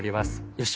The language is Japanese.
「よし！